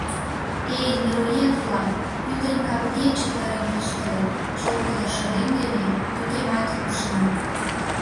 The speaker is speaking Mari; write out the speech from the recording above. — Эй, мироед-влак! — пӱтынь капге чытырен кычкырем, чоткыдо шыдем дене йӱкемат ушна.